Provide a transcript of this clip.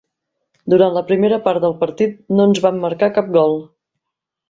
Durant la primera part del partit no ens van marcar cap gol.